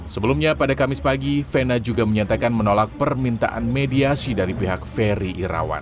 sebelumnya pada kamis pagi vena juga menyatakan menolak permintaan mediasi dari pihak ferry irawan